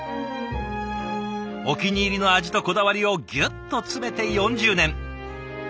お気に入りの味とこだわりをぎゅっと詰めて４０年。